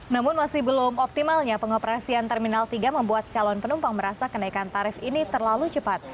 namun masih belum optimalnya pengoperasian terminal tiga membuat calon penumpang merasa kenaikan tarif ini terlalu cepat